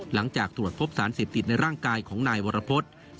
หลังจากตรวจพบสารเสพติดในร่างกายของนายวรพฤษ